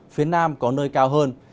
phía nam có nơi cao hơn